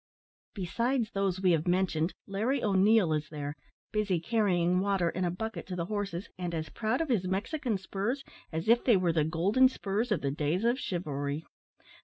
Besides those we have mentioned, Larry O'Neil is there, busy carrying water in a bucket to the horses, and as proud of his Mexican spurs as if they were the golden spurs of the days of chivalry.